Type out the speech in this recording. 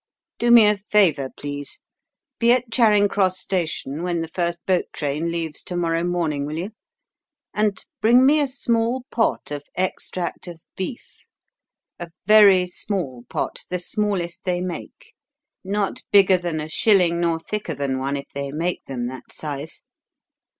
"Do me a favour, please. Be at Charing Cross station when the first boat train leaves to morrow morning, will you, and bring me a small pot of extract of beef a very small pot, the smallest they make not bigger than a shilling nor thicker than one if they make them that size.